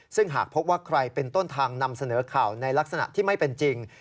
ซึ่งหากพบว่าใครเป็นต้นทางนำเสนอข่าวในลักษณะที่ไม่เป็นจริง